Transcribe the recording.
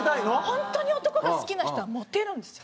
本当に男が好きな人はモテるんですよ。